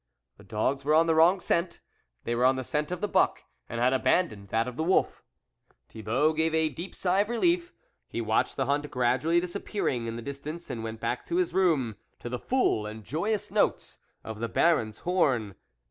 The dogs were on the wrong scent ; they were on the scent of the buck, and had abandoned that of the wolf. Thibault gave a deep sigh of relief ; he watched the hunt gradually disappearing in the distance, and went back to his room to the full and joyous notes of the Baron's horn.